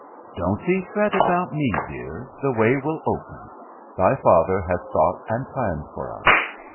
"Don't thee fret about me, dear; the way will open. Thy father has thought and planned for us.